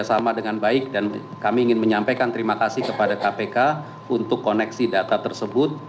sama dengan baik dan kami ingin menyampaikan terima kasih kepada kpk untuk koneksi data tersebut